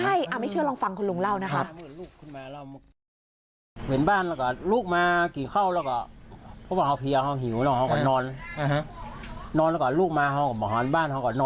ใช่ไม่เชื่อลองฟังคุณลุงเล่านะคะ